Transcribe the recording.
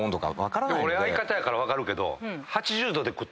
俺相方やから分かるけど。